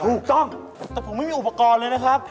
ถูกต้องแต่ผมไม่มีอุปกรณ์เลยนะครับ